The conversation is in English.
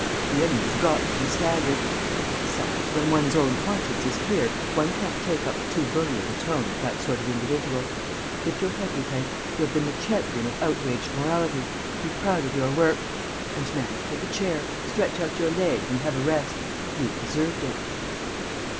The enemy's got to be staggered! Besides, when one's own conscience is clear, one can't take up too bullying a tone with that sort of individual. Lift your head, Lupin. You have been the champion of outraged morality. Be proud of your work. And now take a chair, stretch out your legs and have a rest. You've deserved it."